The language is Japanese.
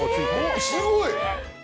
すごい。